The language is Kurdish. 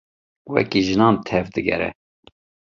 Wekî jinan tev digere.